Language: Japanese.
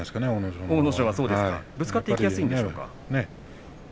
ぶつかっていきやすいんでしょうかね。